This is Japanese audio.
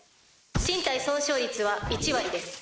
身体損傷率は１割です。